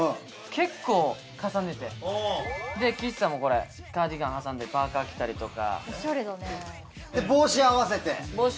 岸さんもカーディガン挟んでパーカー着たりとか。